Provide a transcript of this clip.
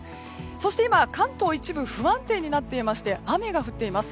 そして今、関東一部不安定になっていまして雨が降っています。